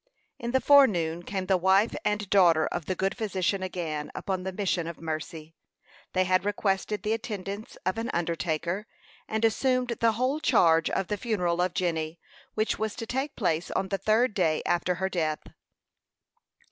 In the forenoon came the wife and daughter of the good physician again upon the mission of mercy. They had requested the attendance of an undertaker, and assumed the whole charge of the funeral of Jenny, which was to take place on the third day after her death.